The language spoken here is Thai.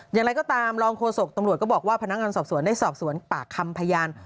อย่างไรก็ตามรองโฆษกตำรวจก็บอกว่าพนักงานสอบสวนได้สอบสวนปากคำพยาน